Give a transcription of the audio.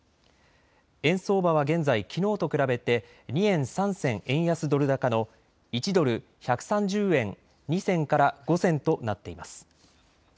円相場は現在、きのうと比べて２円３銭円安ドル高の１ドル１３０円２銭から５銭となっています。